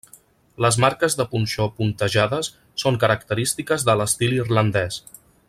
Les marques de punxó puntejades són característiques de l'estil irlandès.